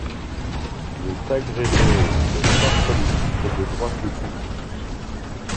Il est agrégé de sciences politiques et de droit public.